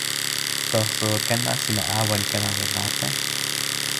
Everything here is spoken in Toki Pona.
taso ken la sina awen ken ala lape.